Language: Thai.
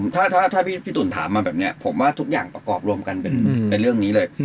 ถ้าพี่ตุ๋นถามมาแบบนี้ผมว่าทุกอย่างประกอบรวมกันเป็นในเรื่องนี้เลย